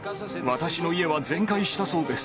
私の家は全壊したそうです。